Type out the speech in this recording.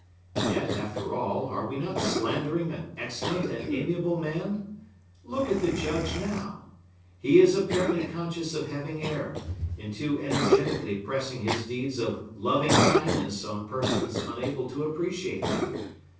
Yet, after all, are we not slandering an excellent and amiable man? Look at the Judge now! He is apparently conscious of having erred, in too energetically pressing his deeds of loving kindness on persons unable to appreciate them.